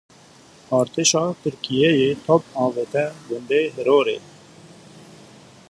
Artêşa Tirkiyeyê top avête gundê Hirorê.